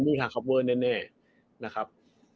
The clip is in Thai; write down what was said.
มีฮาคอปเวอร์แน่นะครับ